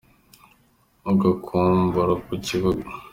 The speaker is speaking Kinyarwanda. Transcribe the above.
Ugakumbura ku ibuga